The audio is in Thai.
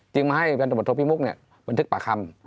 จริงมาให้พันธบทโภคพี่มุกเนี่ยบันทึกประคำ